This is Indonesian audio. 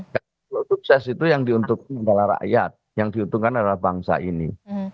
kalau sukses itu yang diuntungkan adalah rakyat yang diuntungkan adalah bangsa ini